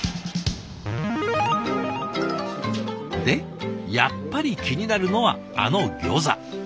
でやっぱり気になるのはあのギョーザ。